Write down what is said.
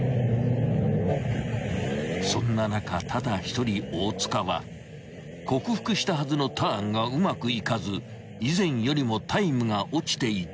［そんな中ただ一人大塚は克服したはずのターンがうまくいかず以前よりもタイムが落ちていた］